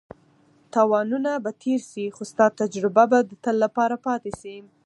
تاوانونه به تېر شي خو ستا تجربه به د تل لپاره پاتې شي.